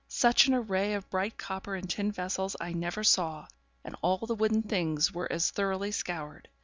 Such an array of bright copper and tin vessels I never saw; and all the wooden things were as thoroughly scoured.